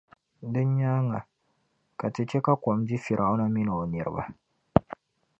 Din nyaaŋa, ka Ti chɛ ka kɔm di Fir’auna mini o niriba.